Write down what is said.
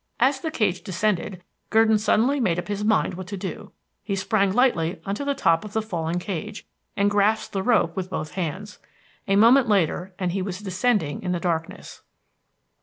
As the cage descended, Gurdon suddenly made up his mind what to do. He sprang lightly on to the top of the falling cage, and grasped the rope with both hands. A moment later and he was descending in the darkness.